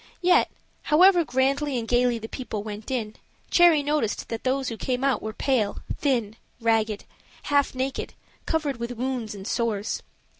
Yet, however grandly and gayly the people went in, Cherry noticed that those who came out were pale, thin, ragged, half naked, covered with wounds and sores.